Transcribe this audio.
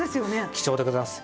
貴重でございます。